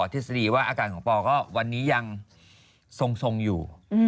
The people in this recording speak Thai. ทฤษฎีว่าอาการของปอก็วันนี้ยังทรงอยู่